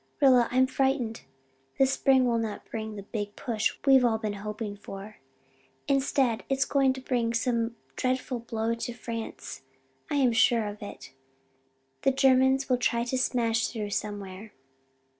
Rilla, I'm frightened the spring will not bring the Big Push we've all been hoping for instead it is going to bring some dreadful blow to France. I am sure of it. The Germans will try to smash through somewhere."